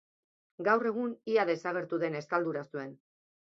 Gaur egun ia desagertu den estaldura zuen.